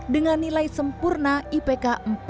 dengan nilai sempurna ipk empat